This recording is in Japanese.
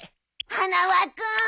花輪君！